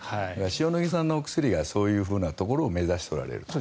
塩野義さんのお薬がそういうふうなところを目指しておられると。